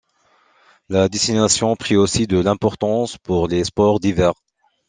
La destination prit aussi de l'importance pour les sports d'hiver.